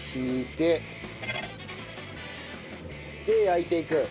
で焼いていく？